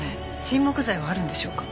沈黙罪はあるんでしょうか？」